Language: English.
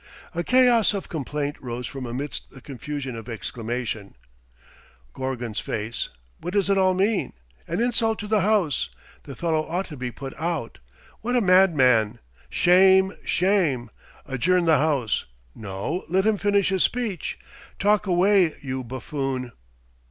A chaos of complaint rose from amidst the confusion of exclamations: "Gorgon's face!" "What does it all mean?" "An insult to the House!" "The fellow ought to be put out!" "What a madman!" "Shame! shame!" "Adjourn the House!" "No; let him finish his speech!" "Talk away, you buffoon!"